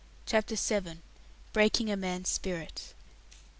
CHAPTER VII. BREAKING A MAN'S SPIRIT.